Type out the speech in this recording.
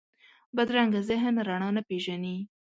بدرنګه ذهن رڼا نه پېژني